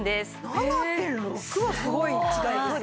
７．６はすごい違いですね。